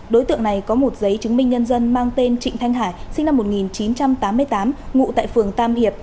đối tượng này có một giấy chứng minh nhân dân mang tên trịnh thanh hải sinh năm một nghìn chín trăm tám mươi tám ngụ tại phường tam hiệp